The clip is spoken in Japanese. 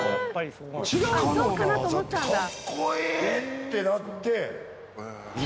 ってなって。